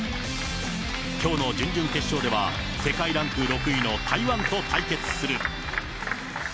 きょうの準々決勝では、世界ランク６位の台湾と対決する。